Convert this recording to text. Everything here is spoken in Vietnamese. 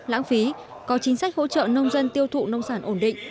lãng phí có chính sách hỗ trợ nông dân tiêu thụ nông sản ổn định